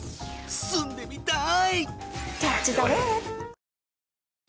住んでみたい！